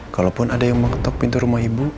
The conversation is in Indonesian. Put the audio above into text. kalaupun ada yang mau ketok pintu rumah ibu